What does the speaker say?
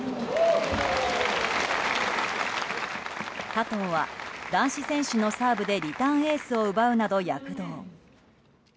加藤は男子選手のサーブでリターンエースを奪うなど躍動。